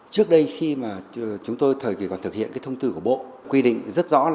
trước đây khi mà chúng tôi thời kỳ còn thực hiện thông tử của bộ